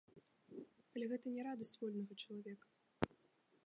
Але гэта не радасць вольнага чалавека.